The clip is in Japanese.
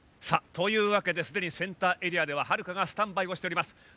さあというわけですでにセンターエリアでははるかがスタンバイをしております。